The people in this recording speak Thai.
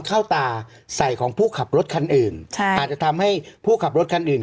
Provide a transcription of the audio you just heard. เข้าตาใส่ของผู้ขับรถคันอื่นใช่อาจจะทำให้ผู้ขับรถคันอื่น